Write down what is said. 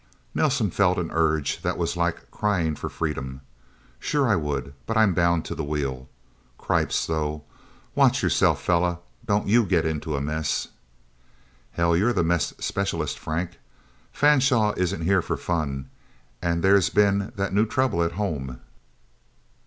Nelsen felt an urge that was like a crying for freedom. "Sure I would. But I'm bound to the wheel. Cripes, though watch yourself, fella. Don't you get into a mess!" "Hell you're the mess specialist, Frank. Fanshaw isn't here for fun. And there's been that new trouble at home..."